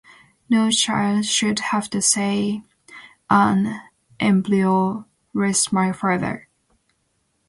No child should have to say, 'An embryo was my father.